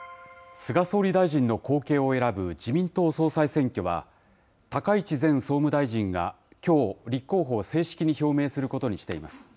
菅総理大臣の後継を選ぶ自民党総裁選挙は、高市前総務大臣がきょう、立候補を正式に表明することにしています。